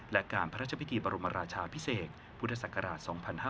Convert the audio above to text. และการพระราชพิธีบรมราชาพิเศษพุทธศักราช๒๕๕๙